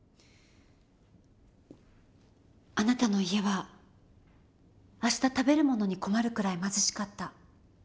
あなたの家は明日食べる物に困るくらい貧しかった。